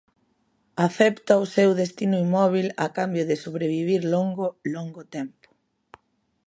Acepta o seu destino inmóvil a cambio de sobrevivir longo, longo tempo.